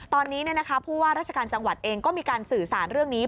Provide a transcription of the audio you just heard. ตอนนี้ผู้ว่าราชการจังหวัดเองก็มีการสื่อสารเรื่องนี้